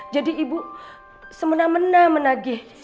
jadi ibu semena mena menagih